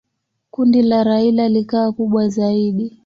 Kundi la Raila likawa kubwa zaidi.